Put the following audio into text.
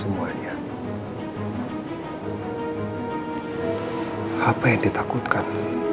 hai apa yang ditakutkan